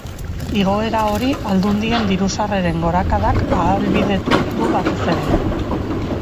Igoera hori aldundien diru-sarreren gorakadak ahalbidetu du batez ere.